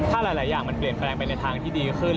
ถ้าหลายอย่างมันเปลี่ยนแปลงไปในทางที่ดีขึ้น